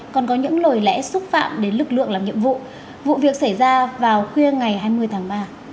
còn có những lời lẽ xúc phạm đến lực lượng làm nhiệm vụ vụ việc xảy ra vào khuya ngày hai mươi tháng ba